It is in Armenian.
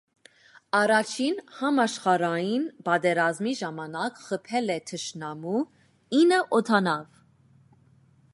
Առաջին համաշխարհային պատերազմի ժամանակ խփել է թշնամու ինը օդանավ։